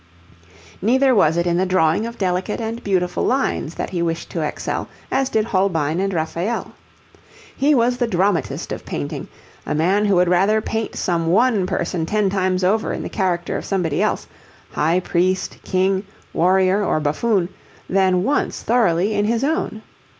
Neither was it in the drawing of delicate and beautiful lines that he wished to excel, as did Holbein and Raphael. He was the dramatist of painting, a man who would rather paint some one person ten times over in the character of somebody else, high priest, king, warrior, or buffoon, than once thoroughly in his own.